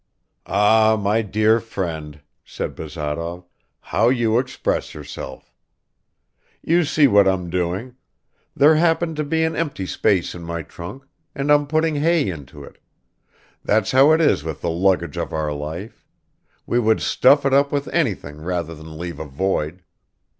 "Ah, my dear friend," said Bazarov, "how you express yourself. You see what I'm doing; there happened to be an empty space in my trunk, and I'm putting hay into it; that's how it is with the luggage of our life; we would stuff it up with anything rather than leave a void.